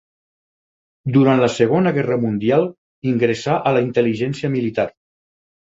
Durant la Segona Guerra Mundial ingressà a la intel·ligència militar.